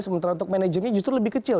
sementara untuk manajernya justru lebih kecil